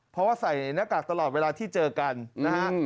เพราะว่าใส่หน้ากากตลอดเวลาที่เจอกันนะฮะ